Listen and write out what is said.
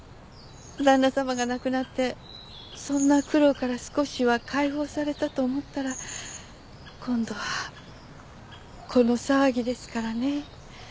旦那さまが亡くなってそんな苦労から少しは解放されたと思ったら今度はこの騒ぎですからね。